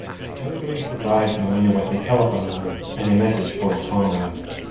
Arregui provides Molina with a telephone number and a message for his comrades.